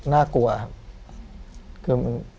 น่ากลัวครับ